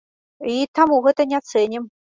І таму гэта не цэнім.